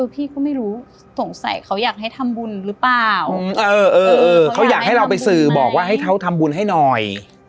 พี่ก็ไม่รู้สงสัยเขาอยากให้ทำบุญหรือเปล่าเขาอยากให้เราไปสื่อบอกว่าให้เขาทำบุญให้หน่อย